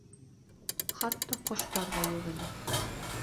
Хатта ҡоштар ҙа юҡ ине.